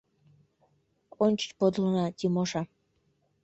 — Ончыч подылына, Тимоша.